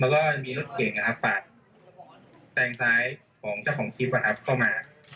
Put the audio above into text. แล้วก็มีรถเก่งกันครับปากแซงซ้ายของเจ้าของจิปอะครับเข้ามา